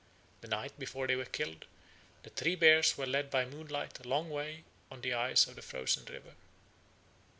The night before they were killed, the three bears were led by moonlight a long way on the ice of the frozen river.